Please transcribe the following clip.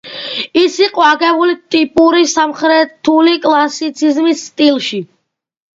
ის იყო აგებული ტიპური სამხრეთული კლასიციზმის სტილში.